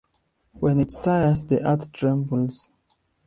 When it stirs, the Earth trembles.